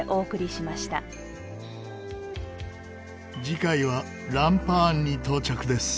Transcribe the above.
次回はランパーンに到着です。